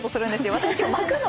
私今日巻くのに。